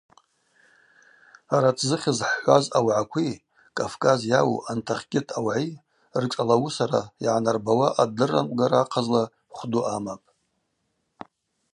Арат зыхьыз хӏхӏваз аугӏакви Кӏафкӏаз йауу антахьгьыт аугӏи ршӏалауысара йгӏанарбауа адырранкъвгара ахъазла хвду амапӏ.